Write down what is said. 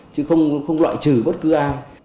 chứ không loại trừ bất cứ ai